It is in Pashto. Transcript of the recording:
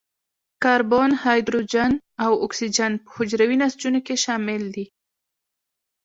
کاربن، هایدروجن او اکسیجن په حجروي نسجونو کې شامل دي.